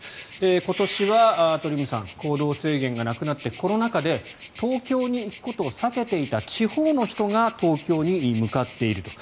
今年は鳥海さん行動制限がなくなってコロナ禍で東京に行くことを避けていた地方の人が東京に向かっていると。